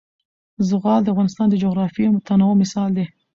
زغال د افغانستان د جغرافیوي تنوع مثال دی.